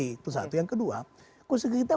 itu satu yang kedua konstitusi kita